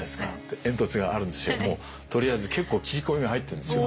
煙突があるんですけどもとりあえず結構切り込みが入ってるんですよ。